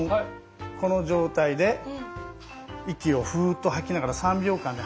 この状態で息をふっと吐きながら３秒間で。